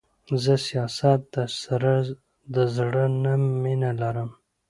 زه سياست د سره د زړه نه مينه لرم.